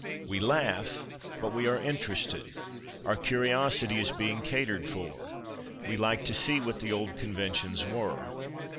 We laugh, but we are interested ; our curiosity is being catered for, we like to see what the old conventions were.